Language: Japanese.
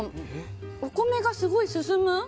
お米がすごい進む。